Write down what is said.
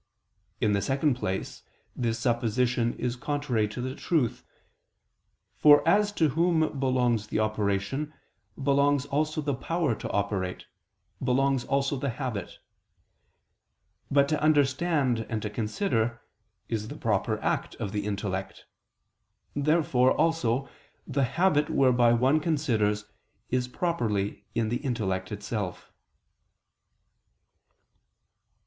In the second place, this supposition is contrary to the truth. For as to whom belongs the operation, belongs also the power to operate, belongs also the habit. But to understand and to consider is the proper act of the intellect. Therefore also the habit whereby one considers is properly in the intellect itself.